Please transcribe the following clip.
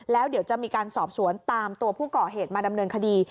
แล้วเดี๋ยวจะมีการสอบสวนตามตัวผู้ก่อเหตุมาดำเนินคดี